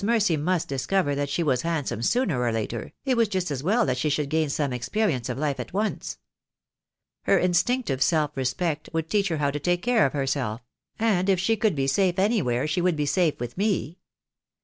305 Mercy must discover that she was handsome sooner or later, it was just as well she should gain some experience of life at once. Her instinctive self respect would teach her how to take care of herself; and if she could be safe anywhere, she would be safe with me.